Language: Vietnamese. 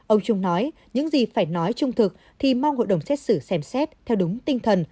ông trung nói những gì phải nói trung thực thì mong hội đồng xét xử xem xét theo đúng tinh thần